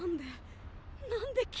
何で？